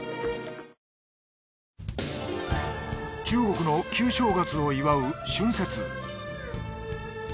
ＪＴ中国の旧正月を祝う春節。